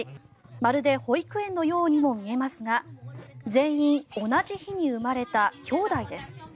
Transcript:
まるで保育園のようにも見えますが全員、同じ日に生まれたきょうだいです。